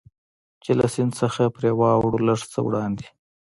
چې له سیند څخه پرې واوړو، لږ څه وړاندې.